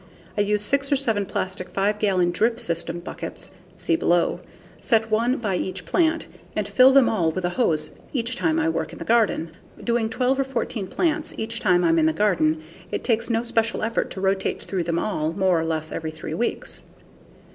I use six or seven plastic 5 gallon "drip system" buckets, (see below) set one by each plant, and fill them all with a hose each time I work in the garden. Doing 12 or 14 plants each time I'm in the garden, it takes no special effort to rotate through them all more or less every three weeks.